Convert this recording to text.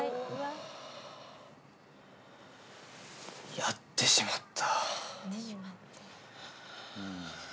やってしまった。